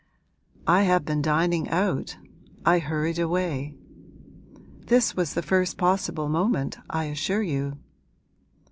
'I have been dining out I hurried away. This was the first possible moment, I assure you.'